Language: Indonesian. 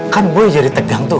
kan gue jadi tegang tuh